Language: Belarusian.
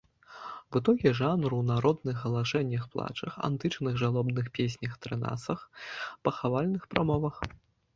Вытокі жанру ў народных галашэннях-плачах, антычных жалобных песнях-трэнасах, пахавальных прамовах.